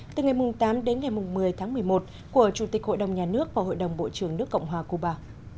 từ ngày tám đến ngày một mươi tháng một mươi một của chủ tịch hội đồng nhà nước và hội đồng bộ trưởng nước cộng hòa cuba